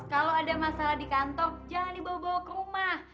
kalau ada masalah di kantor jangan dibawa bawa ke rumah